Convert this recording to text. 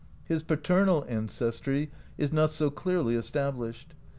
His paternal ancestry is not so clearly established.